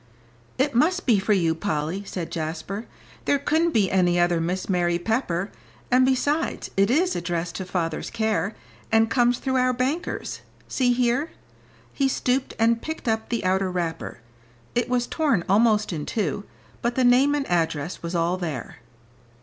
"It must be for you, Polly," said Jasper. "There couldn't be any other Miss Mary Pepper, and besides it is addressed to father's care, and comes through our bankers, see here." He stooped, and picked up the outer wrapper; it was torn almost in two, but the name and address was all there.